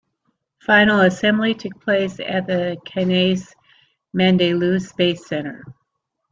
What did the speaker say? Final assembly took place at the Cannes Mandelieu Space Center.